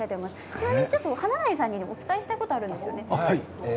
ちなみに華大さんにお伝えしたいことがあるんですよね。